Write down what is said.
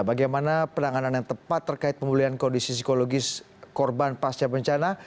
bagaimana penanganan yang tepat terkait pemulihan kondisi psikologis korban pasca bencana